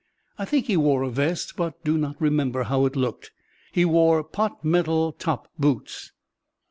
I think he wore a vest, but do not remember how it looked. He wore pot metal (top) boots.